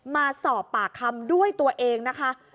มาสอบปากคำด้วยตัวเองนะคะ